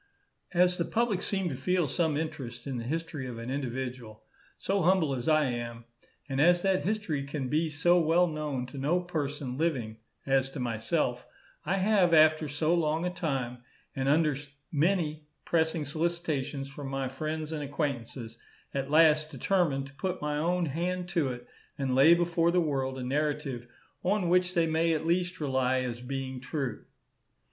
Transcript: As the public seem to feel some interest in the history of an individual so humble as I am, and as that history can be so well known to no person living as to myself, I have, after so long a time, and under many pressing solicitations from my friends and acquaintances, at last determined to put my own hand to it, and lay before the world a narrative on which they may at least rely as being true.